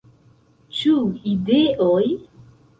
Ĉu ideoj?